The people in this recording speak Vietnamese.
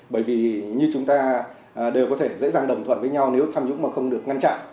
bởi vì như chúng ta đều có thể dễ dàng đồng thuận với nhau nếu tham nhũng mà không được ngăn chặn